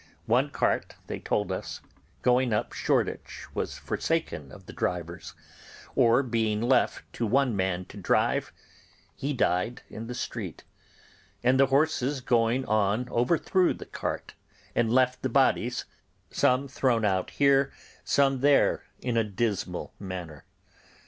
One cart, they told us, going up Shoreditch was forsaken of the drivers, or being left to one man to drive, he died in the street; and the horses going on overthrew the cart, and left the bodies, some thrown out here, some there, in a dismal manner.